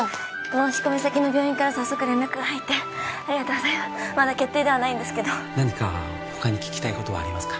申込先の病院から早速連絡が入ってありがとうございますまだ決定ではないんですけど何か他に聞きたいことはありますか？